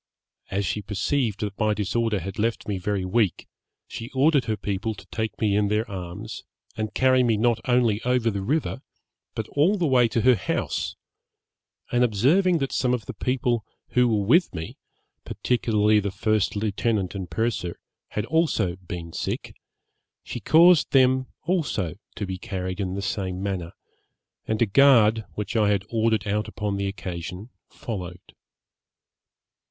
As she perceived that my disorder had left me very weak, she ordered her people to take me in their arms, and carry me not only over the river, but all the way to her house; and observing that some of the people who were with me, particularly the first lieutenant and purser, had also been sick, she caused them also to be carried in the same manner, and a guard, which I had ordered out upon the occasion, followed.